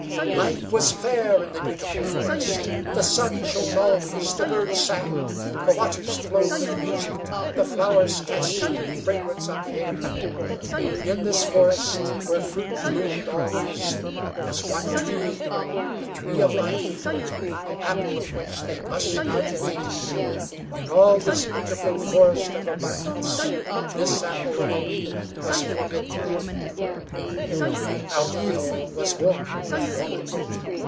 "Life was fair in the beautiful forest. The sun shone always, the birds sang, the waters flowed with music, the flowers cast sweet fragrance on the air. In this forest, where fruit bloomed always, was one tree, the Tree of Life, the apple of which they must not eat. In all this beautiful forest of abundance this apple alone was forbidden them. "Now evil was born with woman.